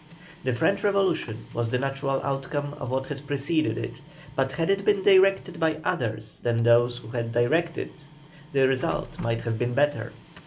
The French Revolution was the natural outcome of what had preceded it, but had it been directed by others than those who did direct it the result might have been better.